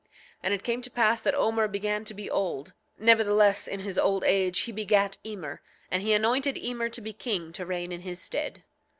9:14 And it came to pass that Omer began to be old; nevertheless, in his old age he begat Emer; and he anointed Emer to be king to reign in his stead.